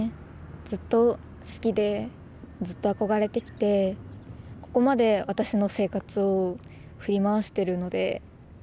ずっと好きでずっと憧れてきてここまで私の生活を振り回してるので。